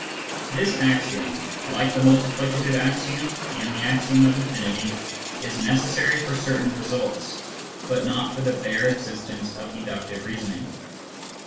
This axiom, like the multiplicative axiom and the axiom of infinity, is necessary for certain results, but not for the bare existence of deductive reasoning.